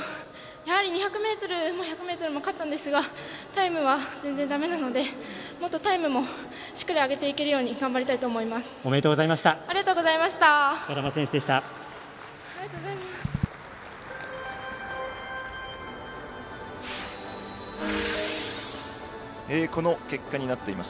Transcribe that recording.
やはり２００ｍ１００ｍも勝ったんですがタイムが全然だめなのでタイムもしっかり上げていけるように頑張りたいと思います。